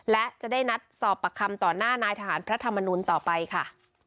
และจะได้นัดสอบปากคำต่อหน้านายทหารพระธรรมนุนต่อไปค่ะ